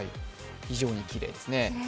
非常にきれいですね。